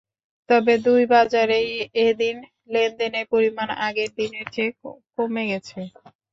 তবে দুই বাজারেই এদিন লেনদেনের পরিমাণ আগের দিনের চেয়ে কমে গেছে।